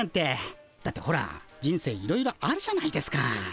だってほら人生いろいろあるじゃないですか。